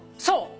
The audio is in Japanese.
そう。